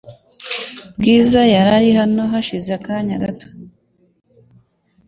Bwiza yari hano hashize akanya gato .